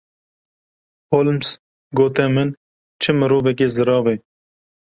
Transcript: Holmes, gote min: Çi mirovekî zirav e.